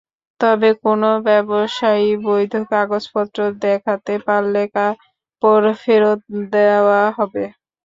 তবে কোনো ব্যবসায়ী বৈধ কাগজপত্র দেখাতে পারলে কাপড় ফেরত দেওয়া হবে।